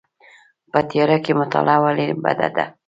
په تیاره کې مطالعه ولې بده ده؟